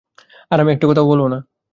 আর আমি একটা কথাও বলবো না।